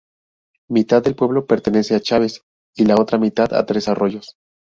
Mitad del pueblo pertenece a Chaves y la otra mitad a Tres Arroyos.